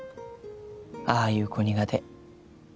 「ああいう子苦手」。